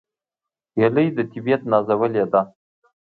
هیلۍ د طبیعت نازولې ده